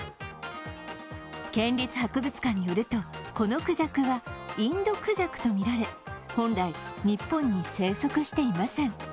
県立博物館によるとこのくじゃくはインドクジャクと見られ、本来、日本に生息していません。